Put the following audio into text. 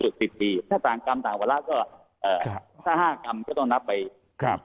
สุดสิบปีการห้างกลับต่างเวลาก็เอ่อห้าห้างกรรมก็ต้องนับไปครับ